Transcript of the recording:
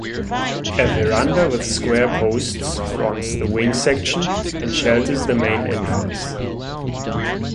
A veranda with square posts fronts the wing section and shelters the main entrance.